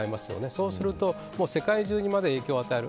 そうすると世界中にまで影響を与える。